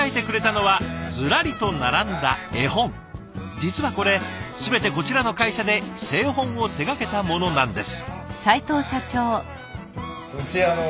実はこれ全てこちらの会社で製本を手がけたものなんです。